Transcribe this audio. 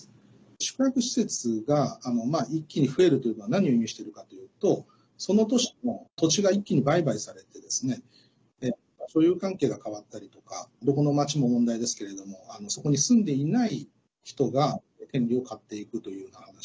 宿泊施設が一気に増えるというのは何を意味しているかというとその都市の土地が一気に売買されて所有関係が変わったりとかどこのまちも問題ですけれどもそこに住んでいない人が権利を買っていくという形。